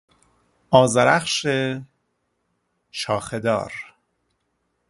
آذرخش شاخهدار